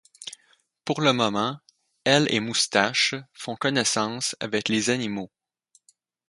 Pour le moment, elle et Moustache font connaissance avec les animaux.